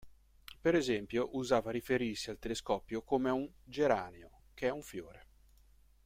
Per esempio usava riferirsi al telescopio come a un "geranio", che è un fiore.